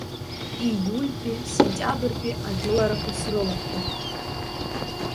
Ииультәи сентиабртәи ажәыларақәа срылахәын.